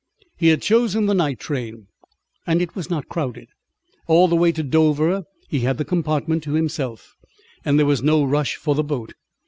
He had chosen the night train and it was not crowded. All the way to Dover he had the compartment to himself, and there was no rush for the boat.